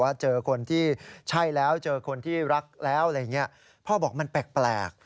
เจอคนที่ใช่แล้วเจอคนที่รักแล้วอะไรอย่างนี้พ่อบอกมันแปลก